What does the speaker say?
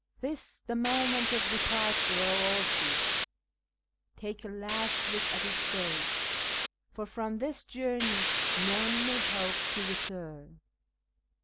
'Tis the moment of departure, O ' Urfi ; take a last look at bis face, For from this journey none may hope to return.'